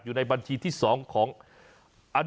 ยืนยันว่าม่อข้าวมาแกงลิงทั้งสองชนิด